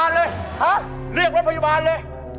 อะไรกินอะไรเข้าไปแล้ว